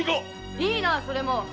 いいなそれも。